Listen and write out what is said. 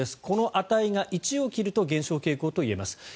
この値が１を切ると減少傾向といえます。